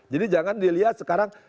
jadi jangan dilihat sekarang